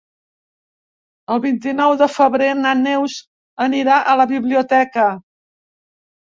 El vint-i-nou de febrer na Neus anirà a la biblioteca.